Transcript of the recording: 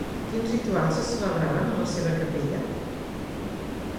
Quins rituals se celebraven en la seva capella?